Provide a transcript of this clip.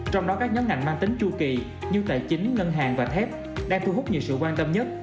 trong đó các nhóm ngành mang tính chu kỳ như tài chính ngân hàng và thép đang thu hút nhiều sự quan tâm nhất